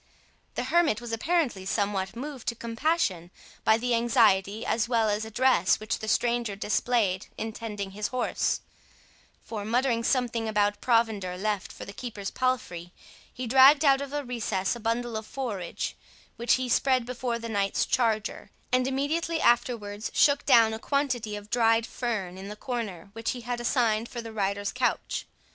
The hermit was apparently somewhat moved to compassion by the anxiety as well as address which the stranger displayed in tending his horse; for, muttering something about provender left for the keeper's palfrey, he dragged out of a recess a bundle of forage, which he spread before the knight's charger, and immediately afterwards shook down a quantity of dried fern in the corner which he had assigned for the rider's couch.